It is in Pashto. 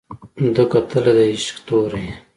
ده کتلى د عشق تورى